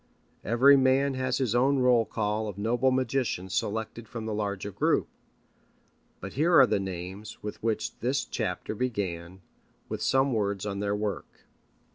Every man has his own roll call of noble magicians selected from the larger group. But here are the names with which this chapter began, with some words on their work.